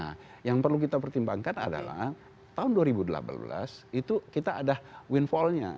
nah yang perlu kita pertimbangkan adalah tahun dua ribu delapan belas itu kita ada windfallnya